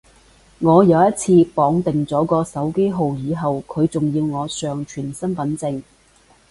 我有一次綁定咗個手機號以後，佢仲要我上傳身份證